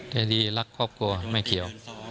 ใจดีรักครอบครัวแม่เขียว